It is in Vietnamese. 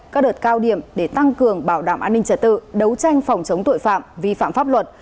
các đợt cao điểm để tăng cường bảo đảm an ninh trật tự đấu tranh phòng chống tội phạm vi phạm pháp luật